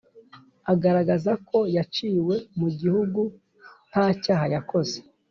Agaragaza ko yaciwe mu gihugu nta cyaha yakoze